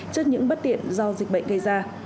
trước những bất tiện do dịch bệnh gây ra